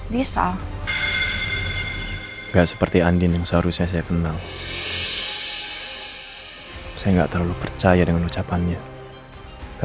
wirasota yang mengangkat mata estranye